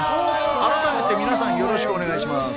改めて皆さん、よろしくお願いします。